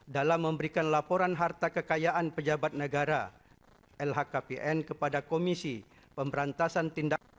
dalam memberikan laporan harta kekayaan pejabat negara lhkpn kepada komisi pemberantasan tindakan